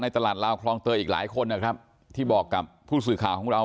ตลาดลาวคลองเตยอีกหลายคนนะครับที่บอกกับผู้สื่อข่าวของเรา